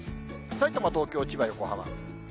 さいたま、東京、千葉、横浜。